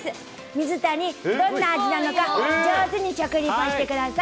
水谷、どんな味なのか上手に食リポしてください。